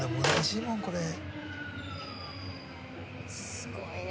すごいな。